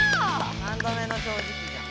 ３度目の正直じゃん。